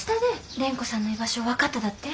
蓮子さんの居場所分かっただって？